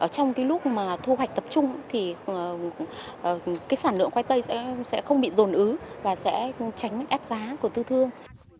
trong cái lúc mà thu hoạch tập trung thì sản lượng khoai tây sẽ không bị dồn ứ và sẽ tránh ép giá của tư thương